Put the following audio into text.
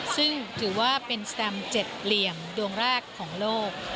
ซึ่งถือว่าเป็นสแตม๗เหลี่ยมดวงแรกของโลก